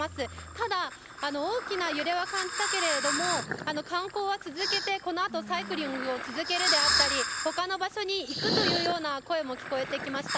ただ大きな揺れは感じたけれども観光は続けて、このあとサイクリングを続けるであったり他の場所に行くというような声も聞こえてきました。